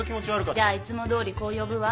じゃあいつもどおりこう呼ぶわ。